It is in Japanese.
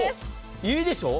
いいでしょ？